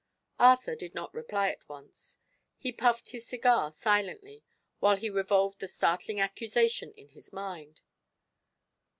Arthur did not reply at once. He puffed his cigar silently while he revolved the startling accusation in his mind.